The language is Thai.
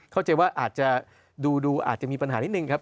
เข้าใจว่าอาจจะดูอาจจะมีปัญหานิดนึงครับ